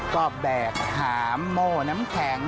ก็แบกหามโม่น้ำแข็ง